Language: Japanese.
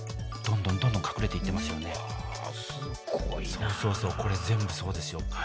そうそうそうこれ全部そうですよ。